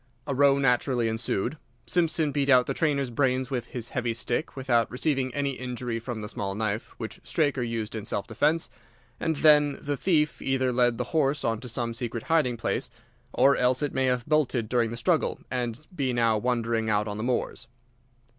A row naturally ensued. Simpson beat out the trainer's brains with his heavy stick without receiving any injury from the small knife which Straker used in self defence, and then the thief either led the horse on to some secret hiding place, or else it may have bolted during the struggle, and be now wandering out on the moors.